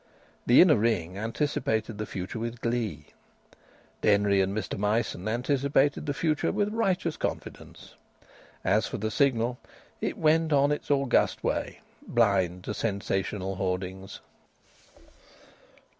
The inner ring anticipated the future with glee. Denry and Mr Myson anticipated the future with righteous confidence. As for the Signal, it went on its august way, blind to sensational hoardings.